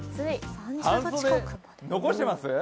半袖、残してます？